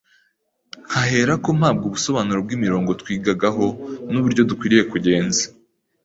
nkaherako mpabwa ubusobanuro bw’imirongo twigagaho n’uburyo dukwiriye kugenza